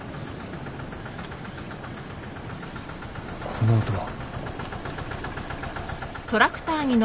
・この音は。